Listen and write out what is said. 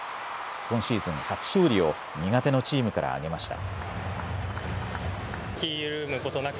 今シーズン初勝利を苦手のチームから挙げました。